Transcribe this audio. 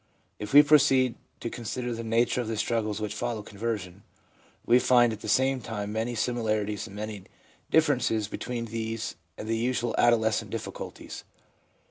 If we proceed to consider the nature of the struggles which follow conversion, we find at the same time many similarities and many differences between these and the usual adolescent difficulties.